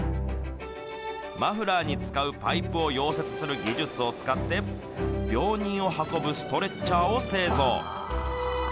マフラーに使うパイプを溶接する技術を使って、病人を運ぶストレッチャーを製造。